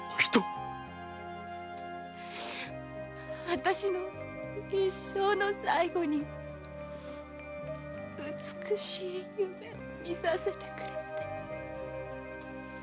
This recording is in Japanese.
あたしの一生の最後に美しい夢を見させてくれて。